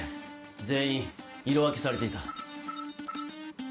全員色分けされていた。